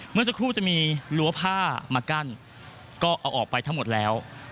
เมื่อสักครู่จะมีรั้วผ้ามากั้นก็เอาออกไปทั้งหมดแล้ว